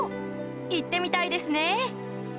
行ってみたいですね